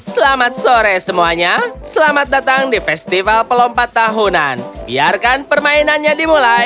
selamat sore semuanya selamat datang di festival pelompat tahunan biarkan permainannya dimulai